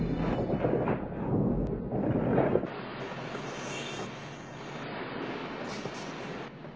よし。